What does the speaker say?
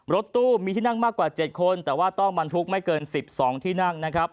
รถตู้มีที่นั่งมากกว่า๗คนแต่ว่าต้องบรรทุกไม่เกิน๑๒ที่นั่งนะครับ